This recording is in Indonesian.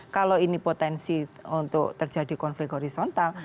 kalau ini potensi untuk terjadi konflik horizontal